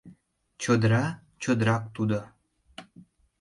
Чодыра — чодырак тудо...